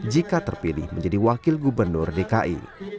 jika terpilih menjadi wakil gubernur dki